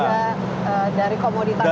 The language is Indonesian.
harga dari komoditas itu sendiri